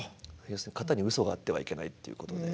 要するに型にうそがあってはいけないっていうことで。